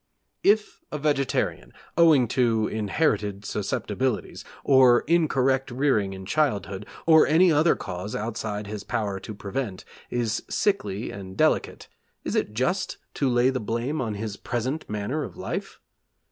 If a vegetarian, owing to inherited susceptibilities, or incorrect rearing in childhood, or any other cause outside his power to prevent, is sickly and delicate, is it just to lay the blame on his present manner of life?